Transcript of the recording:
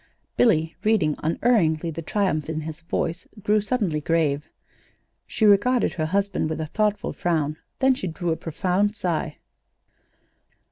Billy, reading unerringly the triumph in his voice, grew suddenly grave. She regarded her husband with a thoughtful frown; then she drew a profound sigh.